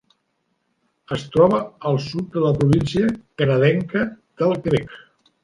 Es troba al sud de la província canadenca del Quebec.